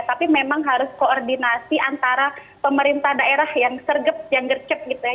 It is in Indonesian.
tapi memang harus koordinasi antara pemerintah daerah yang sergep yang gercep gitu ya